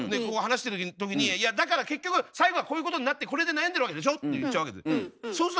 こう話してる時に「いやだから結局最後はこういうことになってこれで悩んでるわけでしょ？」って言っちゃうわけです。